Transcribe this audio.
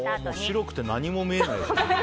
白くて何も見えない。